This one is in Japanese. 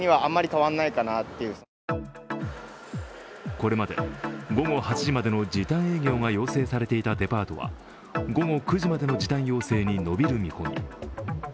これまで午後８時までの時短営業が要請されていたデパートは午後９時までの時短要請に延びる見込み。